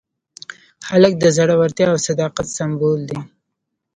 هلک د زړورتیا او صداقت سمبول دی.